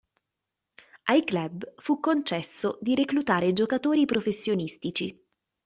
Ai club fu concesso di reclutare giocatori professionistici.